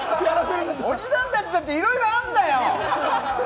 おじさん達だっていろいろあるんだよ！